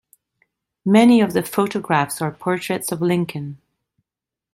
Many of the photographs are portraits of Lincoln.